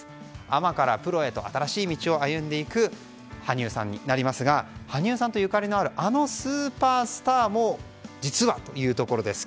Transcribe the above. アマからプロへ新しい道へと歩んでいく羽生さんですが羽生さんとゆかりのあるあのスーパースターも実はというところです。